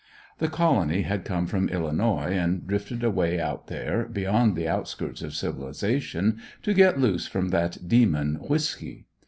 The Colony had come from Illinois and drifted away out there beyond the outskirts of civilization to get loose from that demon whisky.